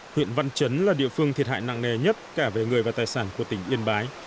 huyện văn chấn là địa phương thiệt hại nặng nề nhất cả về người và tài sản của tỉnh yên bái